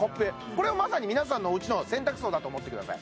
これまさに皆さんのおうちの洗濯槽だと思ってください